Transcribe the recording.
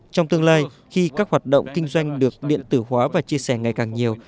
trong tương lai khi các hoạt động kinh doanh được điện tử hóa và chia sẻ ngày càng nhiều